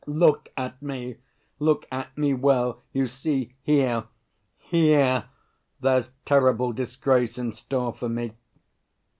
"Look at me. Look at me well. You see here, here—there's terrible disgrace in store for me."